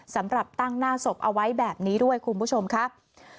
สำหรับตั้งหน้าศพเอาไว้แบบนี้ด้วยคุณผู้ชมครับ